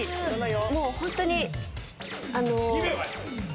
もうホントにあの。